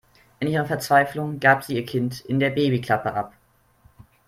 In ihrer Verzweiflung gab sie ihr Kind in der Babyklappe ab.